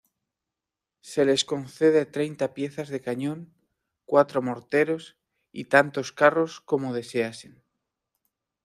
Se les concede treinta piezas de cañón, cuatro morteros y tantos carros como deseasen.